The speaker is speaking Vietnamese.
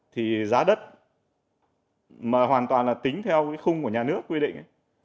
thì giá đất mà hoàn toàn là tính theo khung của nhà nước quy định